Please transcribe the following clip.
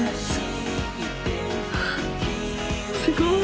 すごい！